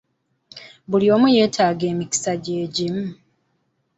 Buli omu yeetaga emikisa gye gimu.